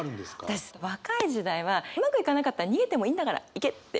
私若い時代はうまくいかなかったら逃げてもいいんだから行け！っていう。